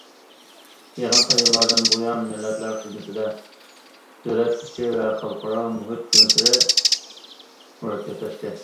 يېقىنقى يىللاردىن بۇيان مىللەتلەر خىزمىتىدە دۆلەت ئىچى ۋە خەلقئارا مۇھىت كۈنسېرى مۇرەككەپلەشتى.